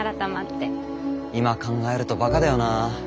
今考えるとバカだよなあ。